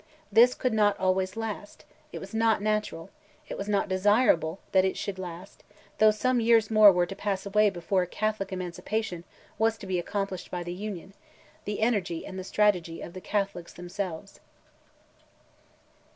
This could not always last; it was not natural, it was not desirable that it should last, though some years more were to pass away before Catholic Emancipation was to be accomplished by the union, the energy and the strategy of the Catholics themselves.